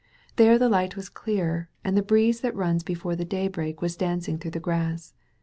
There the light was clearer, and the breeze that runs be fore the daybreak was dancing through the grass.